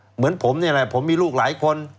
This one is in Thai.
เหมือนผมนี่แหละผมมีลูกหลายคน